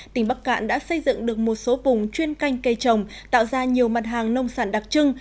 tỉnh bắc cạn đã xây dựng được một số vùng chuyên canh cây trồng tạo ra nhiều mặt hàng nông sản đặc trưng